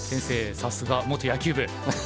さすが元野球部！